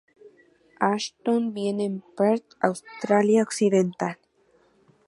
Ashton vive en Perth, Australia Occidental.